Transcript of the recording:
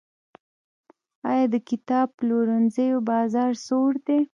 آیا د کتاب پلورنځیو بازار سوړ دی؟